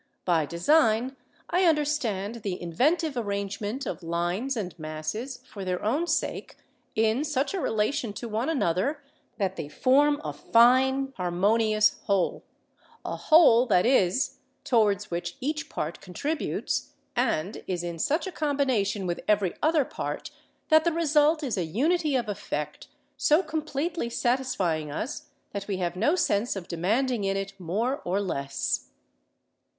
By Design I understand the inventive arrangement of lines and masses, for their own sake, in such a relation to one another, that they form a fine, harmonious whole: a whole, that is, towards which each part contributes, and is in such a combination with every other part that the result is a unity of effect, so completely satisfying us that we have no sense of demanding in it more or less.